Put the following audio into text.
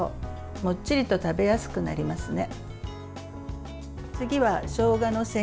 もっちりと食べやすくなります。